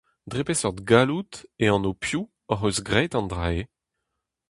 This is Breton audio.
Dre beseurt galloud, e anv piv hoc’h eus graet an dra-se ?